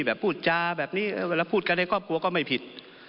แบบพูดจาแบบนี้แล้วพูดกันแหละกรอบครัวก็ไม่ผิด